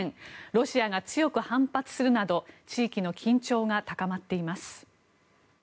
ロシアが強く反発するなど地域の緊張が高まっています。